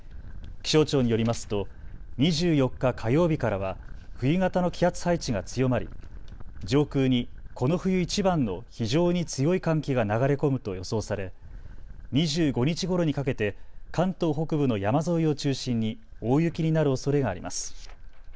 気象庁によりますと２４日火曜日からは冬型の気圧配置が強まり、上空にこの冬いちばんの非常に強い寒気が流れ込むと予想され２５日ごろにかけて関東北部の山沿いを中心に大雪になるおそれがあります。